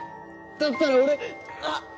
だったら俺うっ！